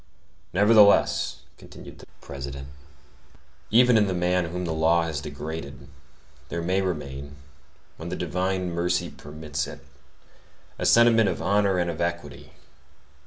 "Nevertheless," continued the President, "even in the man whom the law has degraded, there may remain, when the divine mercy permits it, a sentiment of honor and of equity.